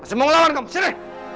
masih mau ngelawan kamu sini